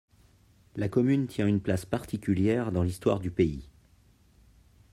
La commune tient une place particulière dans l'histoire du pays.